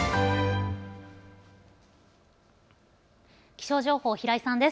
気象情報、平井さんです。